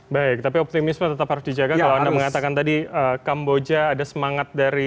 baik tapi optimisme tetap harus dijaga kalau anda mengatakan tadi kamboja ada semangat dari